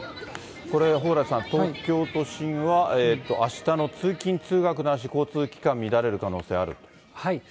これ、蓬莱さん、東京都心はあしたの通勤・通学の足、交通機関、乱れる可能性がある。